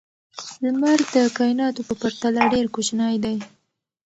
لمر د کائناتو په پرتله ډېر کوچنی دی.